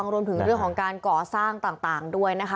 รวมถึงเรื่องของการก่อสร้างต่างด้วยนะคะ